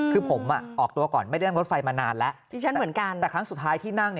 คือผมออกตัวก่อนไม่ได้นั่งรถไฟมานานแล้วที่ฉันเหมือนกันแต่ครั้งสุดท้ายที่นั่ง